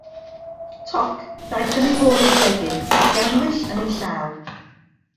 Toc, daeth yn ei hôl i'r gegin, a'r gannwyll yn ei llaw.